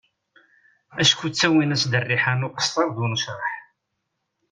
Acku ttawin-as-d rriḥa n uqessar d unecraḥ.